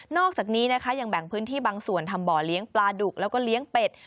อกจากนี้นะคะยังแบ่งพื้นที่บางส่วนทำบ่อเลี้ยงปลาดุกแล้วก็เลี้ยงเป็ด